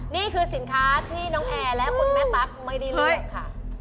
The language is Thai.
นี่คือสินค้าที่น้องแอร์และคุณแม่ตั๊กไม่ได้เลือกค่ะ